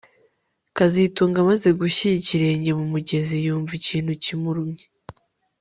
kazitunga amaze gushyira ikirenge mu mugezi yumva ikintu kimurumye